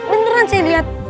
beneran saya lihat